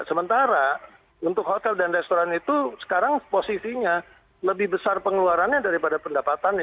sementara untuk hotel dan restoran itu sekarang posisinya lebih besar pengeluarannya daripada pendapatannya